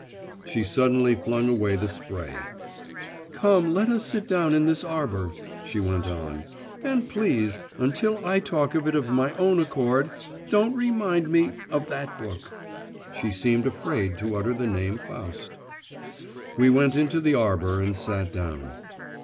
She suddenly flung away the spray. 'Come, let us sit down in this arbour,' she went on; 'and please, until I talk of it of my own accord, don't remind me of that book.' (She seemed afraid to utter the name Faust.) We went into the arbour and sat down.